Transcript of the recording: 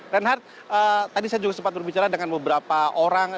reinhard tadi saya juga sempat berbicara dengan beberapa orang